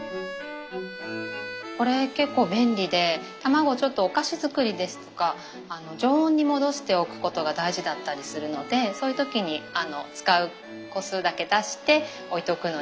これ結構便利で卵ちょっとお菓子作りですとか常温に戻しておくことが大事だったりするのでそういう時に使う個数だけ出して置いとくのに便利に使ってます。